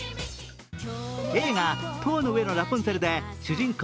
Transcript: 映画「塔の上のラプンツェル」で主人公・